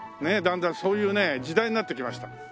ねえだんだんそういうね時代になってきました。